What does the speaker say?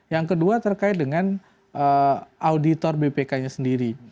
yang kedua terkait dengan auditor bpk nya sendiri